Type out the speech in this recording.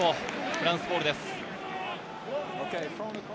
フランスボールです。